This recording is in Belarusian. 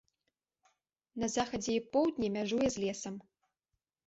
На захадзе і поўдні мяжуе з лесам.